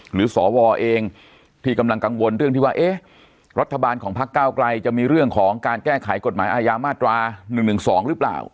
สวเองที่กำลังกังวลเรื่องที่ว่าเอ๊ะรัฐบาลของพักเก้าไกลจะมีเรื่องของการแก้ไขกฎหมายอาญามาตรา๑๑๒หรือเปล่า